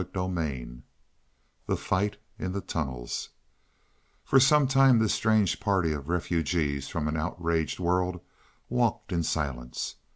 CHAPTER XXXVI THE FIGHT IN THE TUNNELS For some time this strange party of refugees from an outraged world walked in silence.